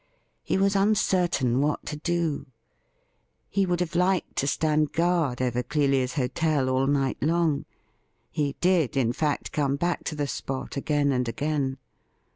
He was uncertain what to do. He would have liked to stand guard over Clelia's hotel all night long. He did, in fact, come back to the spot again and again.